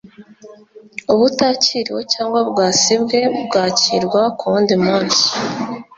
ubutakiriwe cyangwa bwasibwe bwakirwa kuwundi munsi.